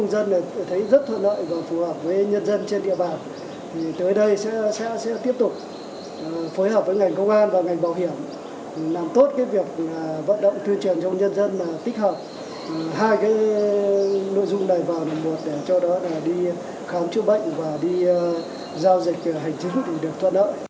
nhiều thuận lợi cho người dân khi đi khám chữa bệnh và giải quyết các thủ tục hành chính